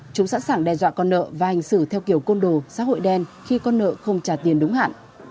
chúng sẵn sàng đe dọa con nợ và hành xử theo kiểu côn đồ xã hội đen khi con nợ không trả tiền đúng hạn